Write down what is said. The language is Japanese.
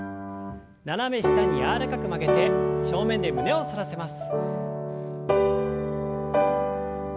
斜め下に柔らかく曲げて正面で胸を反らせます。